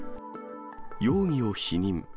容疑を否認。